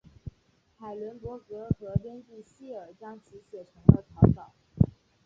海伦伯格和编剧希尔将其写成了草稿。